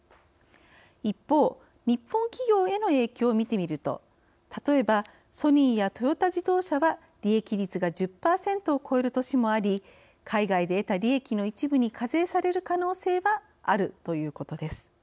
一方日本企業への影響をみてみると例えばソニーやトヨタ自動車は利益率が１０％を超える年もあり海外で得た利益の一部に課税される可能性はあるということです。